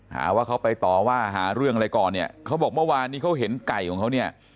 หาว่าเขาไปต่อว่าหาเรื่องอะไรก่อนเนี่ยเขาบอกเมื่อวานนี้เขาเห็นไก่ของเขาเนี่ย